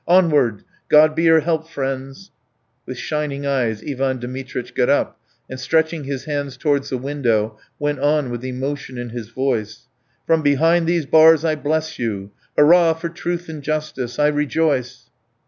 Onward! God be your help, friends!" With shining eyes Ivan Dmitritch got up, and stretching his hands towards the window, went on with emotion in his voice: "From behind these bars I bless you! Hurrah for truth and justice! I rejoice!"